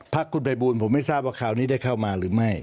พักคุณภัยบูลผมไม่ทราบว่าคราวนี้ได้เข้ามาหรือไม่